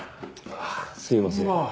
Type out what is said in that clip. ああすいません。